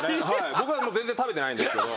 僕は全然食べてないんですけど。